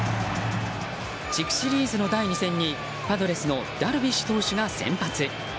地区シリーズの第２戦にパドレスのダルビッシュ投手が先発。